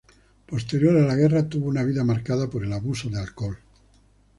Posterior a la guerra tuvo una vida marcada por el abuso del alcohol.